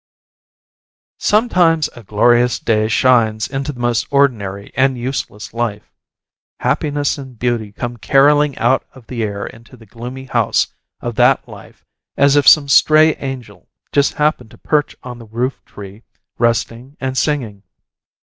Sometimes a glorious day shines into the most ordinary and useless life. Happiness and beauty come caroling out of the air into the gloomy house of that life as if some stray angel just happened to perch on the roof tree, resting and singing.